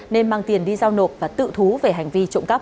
nên mang tiền đi giao nộp và tự thú về hành vi trộm cắp